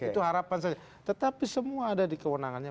itu harapan saja tetapi semua ada di kewenangannya